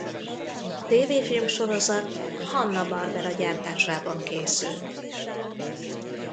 A tévéfilmsorozat a Hanna-Barbera gyártásában készült.